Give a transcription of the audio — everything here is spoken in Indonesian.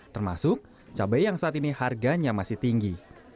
termasuk cabai yang saat ini harganya masih tinggi